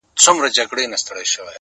o راباندي گرانه خو يې،